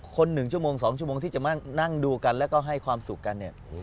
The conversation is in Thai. ๑ชั่วโมง๒ชั่วโมงที่จะมานั่งดูกันแล้วก็ให้ความสุขกันเนี่ย